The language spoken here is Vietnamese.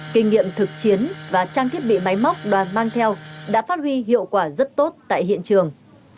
kinh nghiệm thực chiến và trang thiết bị máy móc đoàn mang theo đã phát huy hiệu quả rất tốt tại hiện trường